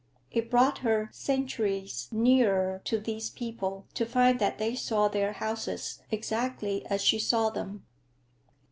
It brought her centuries nearer to these people to find that they saw their houses exactly as she saw them.